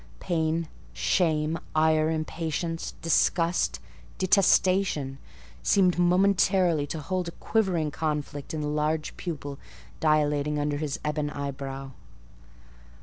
Pain, shame, ire, impatience, disgust, detestation, seemed momentarily to hold a quivering conflict in the large pupil dilating under his ebon eyebrow.